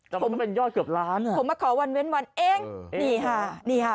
แต่ผมเป็นยอดเกือบล้านอ่ะผมมาขอวันเว้นวันเองนี่ค่ะนี่ค่ะ